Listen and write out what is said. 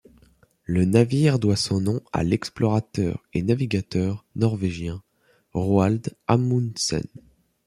Le navire doit son nom à l'explorateur et navigateur norvégien Roald Amundsen.